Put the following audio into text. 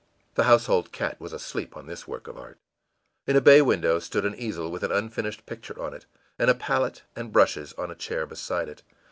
The household cat was asleep on this work of art. In a bay window stood an easel with an unfinished picture on it, and a palette and brushes on a chair beside it.